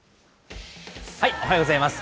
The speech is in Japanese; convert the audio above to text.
おはようございます。